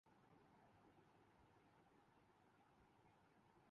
محترمہ مریم ایک عرصہ سے متحرک ہیں۔